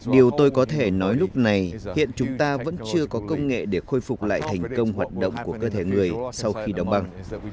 điều tôi có thể nói lúc này hiện chúng ta vẫn chưa có công nghệ để khôi phục lại thành công hoạt động của cơ thể người sau khi đóng băng